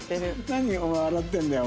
何お前笑ってるんだよ？